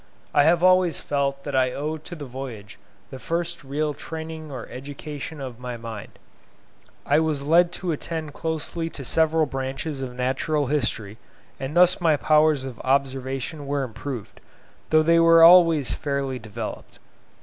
I have always felt that I owe to the voyage the first real training or education of my mind; I was led to attend closely to several branches of natural history, and thus my powers of observation were improved, though they were always fairly developed.